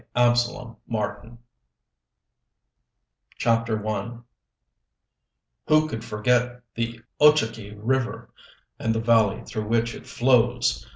KASTLE KRAGS CHAPTER I Who could forget the Ochakee River, and the valley through which it flows!